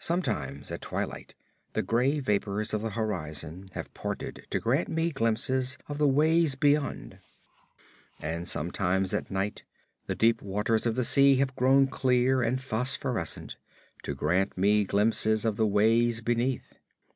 Sometimes at twilight the gray vapors of the horizon have parted to grant me glimpses of the ways beyond; and sometimes at night the deep waters of the sea have grown clear and phosphorescent, to grant me glimpses of the ways beneath.